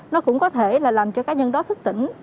nó cũng có thể là làm cho cá nhân đó thức tỉnh